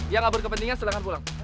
yang ngabur kepentingan silahkan pulang